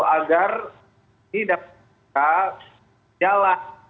agar tidak jelas